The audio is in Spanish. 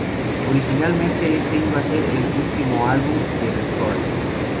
Originalmente este iba a ser el último álbum de Bathory.